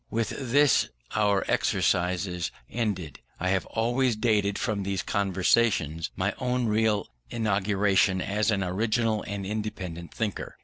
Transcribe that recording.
With this our exercises ended. I have always dated from these conversations my own real inauguration as an original and independent thinker.